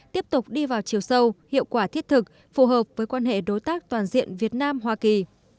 tiếp tục đi vào chiều sâu hiệu quả thiết thực phù hợp với quan hệ đối tác toàn diện việt nam hoa kỳ